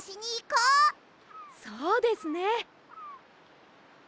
そうですね！